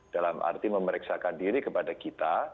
dalam arti memeriksakan diri kepada kita